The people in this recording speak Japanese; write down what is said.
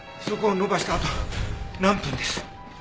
そこを延ばしてあと何分です？